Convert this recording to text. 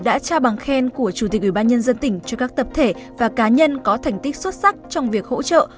đã trao bằng khen của chủ tịch ubnd tỉnh cho các tập thể và cá nhân có thành tích xuất sắc trong việc hỗ trợ